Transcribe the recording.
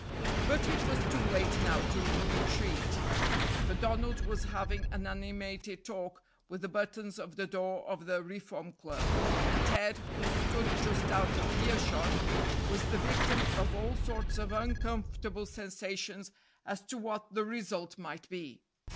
But it was too late now to retreat, for Donald was having an animated talk with the buttons of the door of the Reform Club; and Ted, who stood just out of earshot, was the victim of all sorts of uncomfortable sensations as to what the result might be.